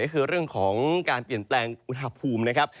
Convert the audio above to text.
ก็คือเรื่องของการเปลี่ยนแปลงอุณหภูมินะครับ